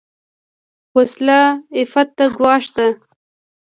وسله عفت ته ګواښ ده